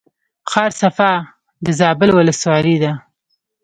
ښار صفا د زابل ولسوالۍ ده